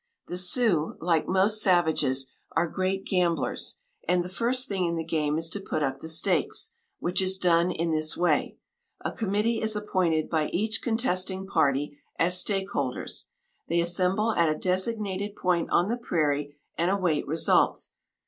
The Sioux, like most savages, are great gamblers, and the first thing in the game is to put up the stakes, which is done in this way: A committee is appointed by each contesting party as stakeholders. They assemble at a designated point on the prairie, and await results.